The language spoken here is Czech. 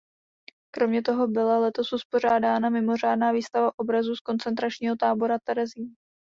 Kromě toho byla letos uspořádána mimořádná výstava obrazů z koncentračního tábora Terezín.